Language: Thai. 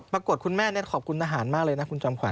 ปรากฏคุณแม่เนี่ยขอบคุณทหารมากเลยนะคุณจำขวัญ